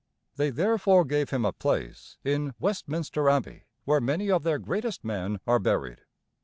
They therefore gave him a place in Westminster Abbey, where many of their greatest men are buried.